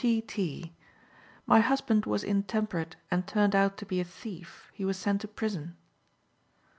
P. T.: "My husband was intemperate, and turned out to be a thief. He was sent to prison."